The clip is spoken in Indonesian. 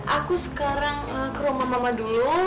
aku sekarang ke rumah mama dulu